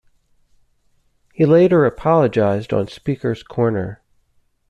He later apologized on Speaker's Corner.